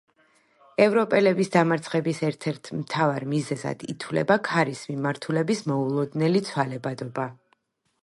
ევროპელების დამარცხების ერთ-ერთ მთავარ მიზეზად ითვლება ქარის მიმართულების მოულოდნელი ცვალებადობა.